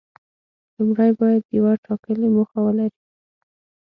لومړی باید یوه ټاکلې موخه ولري.